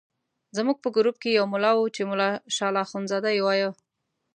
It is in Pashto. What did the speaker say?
زموږ په ګروپ کې یو ملا وو چې ملا شال اخندزاده یې وایه.